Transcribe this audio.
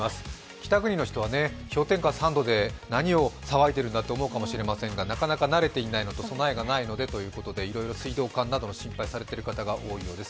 北国の人は、氷点下３度で、何を騒いでいるんだと思うかもしれませんがなかなか慣れていないのと備えがないのでということで、いろいろ水道管などの心配をされている方が多いようです。